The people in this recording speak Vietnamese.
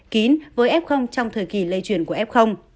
kín với f trong thời kỳ lây truyền của f